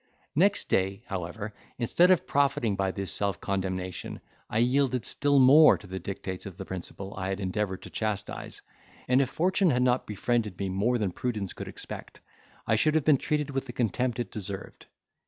Next day, however, instead of profiting by this self condemnation, I yielded still more to the dictates of the principle I had endeavoured to chastise, and if fortune had not befriended me more than prudence could expect, I should have been treated with the contempt it deserved.